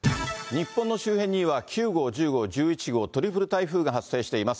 日本の周辺には９号、１０号、１１号、トリプル台風が発生しています。